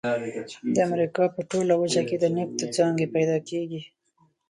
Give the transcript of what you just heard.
د امریکا په ټوله وچه کې د نفتو څاګانې پیدا کیږي.